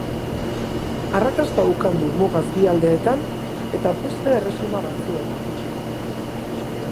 Arrakasta ukan du mugaz bi aldetan eta beste erresuma batzuetan.